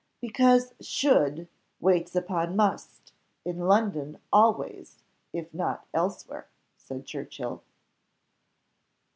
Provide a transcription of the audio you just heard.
"Because should waits upon must, in London always, if not elsewhere," said Churchill.